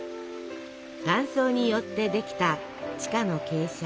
断層によってできた地下の傾斜。